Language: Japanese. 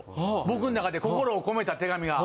僕の中で心を込めた手紙が！